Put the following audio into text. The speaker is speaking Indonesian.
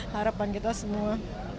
harapan kita semua